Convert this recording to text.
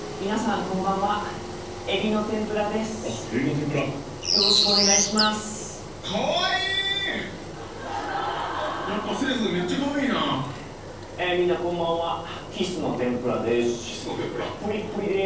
皆さんこんばんは！